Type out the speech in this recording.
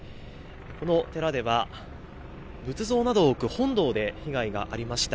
この寺では、仏像などを置く本堂で被害がありました。